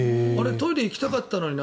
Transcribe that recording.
トイレ行きたかったのにな